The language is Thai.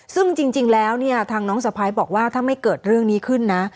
ซึ่งจริงแล้วเนี่ยทางน้องสะพ้ายบอกว่าถ้าไม่เกิดเรื่องนี้ขึ้นนะ